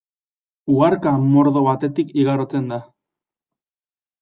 Uharka mordo batetik igarotzen da.